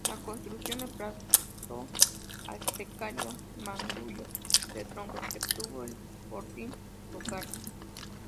La construcción reemplazó al precario mangrullo de troncos que tuvo el fortín local.